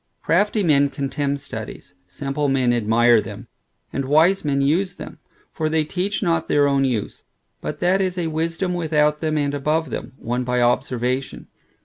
Crafty men contemn studies, simple men admire them, and wise men use them; for they teach not their own use; but that is a wisdom without them, and above them, won by observation.